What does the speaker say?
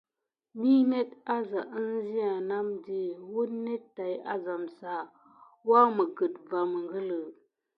Mi net aza əŋzia nam di, wounet tay azam sa waməget va məngələ.